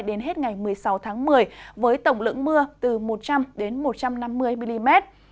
đến hết ngày một mươi sáu tháng một mươi với tổng lượng mưa từ một trăm linh một trăm năm mươi mm